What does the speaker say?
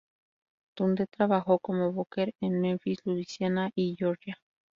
Dundee trabajó como booker en Memphis, Luisiana y Georgia.